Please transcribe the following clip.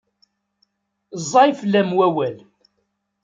Ẓẓay fell-am wawal.